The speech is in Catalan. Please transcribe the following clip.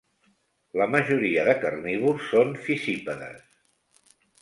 La majoria de carnívors són fissípedes.